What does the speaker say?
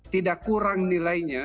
tidak kurang nilainya